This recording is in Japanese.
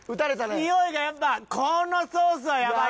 においがやっぱこのソースはやばいわ。